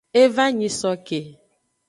E va nyisoke.